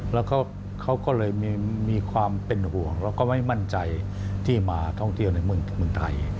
แล้วก็เขาก็เลยมีความเป็นห่วงแล้วก็ไม่มั่นใจที่มาท่องเที่ยวในเมืองไทย